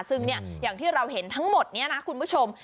ซึ่งอย่างที่เราเห็นทั้งหมดนี้นะคุณผู้ชม